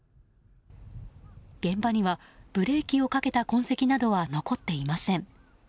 現場にはブレーキをかけた痕跡などは残っていません。